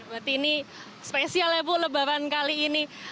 berarti ini spesial ya bu lebaran kali ini